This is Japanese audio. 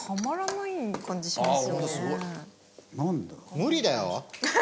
無理だよ？